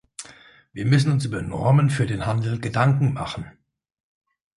Wir müssen uns über Normen für den Handel Gedanken machen.